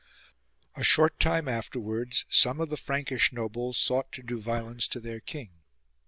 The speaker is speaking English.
A short time afterwards some of the Frankish nobles sought to do violence to their king.